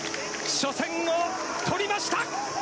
初戦を取りました！